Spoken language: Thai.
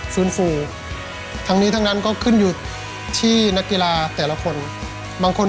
ที่ดูแลอยาการจิตใจอีกอัน